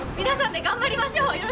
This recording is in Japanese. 皆さんで頑張りましょう！